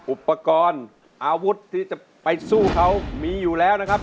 อุปกรณ์อาวุธที่จะไปสู้เขามีอยู่แล้วนะครับ